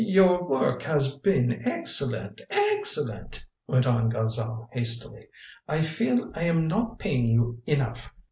"Your work has been excellent excellent," went on Gonzale hastily. "I feel I am not paying you enough.